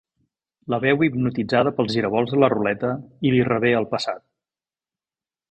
La veu hipnotitzada pels giravolts de la ruleta i li revé el passat.